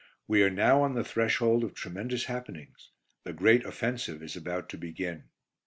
We are now on the threshold of tremendous happenings. The Great Offensive is about to begin.